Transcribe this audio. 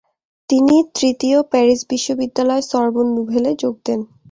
তিনি তৃতীয় প্যারিস বিশ্ববিদ্যালয়: সরবোন নুভেলে যোগ দেন।